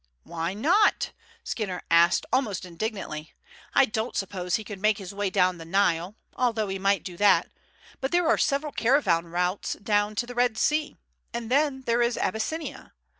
"Why not?" Skinner asked, almost indignantly. "I don't suppose he could make his way down the Nile, although he might do that; but there are several caravan routes down to the Red Sea, and then there is Abyssinia.